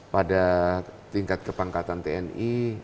pada tingkat kepangkatan tni